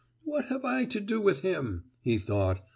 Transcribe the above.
"What have I to do with him?" he thought.